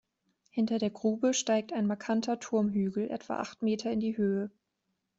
Hinter der Grube steigt ein markanter Turmhügel etwa acht Meter in die Höhe.